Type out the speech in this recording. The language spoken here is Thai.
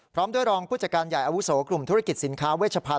พร้อมด้วยรองผู้จัดการใหญ่อาวุโสกลุ่มธุรกิจสินค้าเวชพันธ